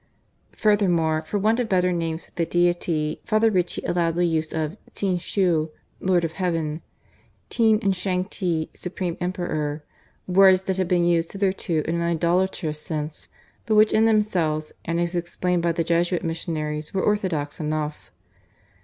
Furthermore, for want of better names for the Deity Father Ricci allowed the use of Tien tschu (Lord of Heaven), Tien and Shangti (supreme emperor), words that had been used hitherto in an idolatrous sense, but which in themselves and as explained by the Jesuit missionaries were orthodox enough.